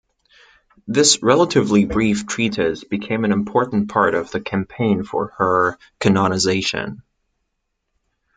This relatively brief treatise became an important part of the campaign for her canonisation.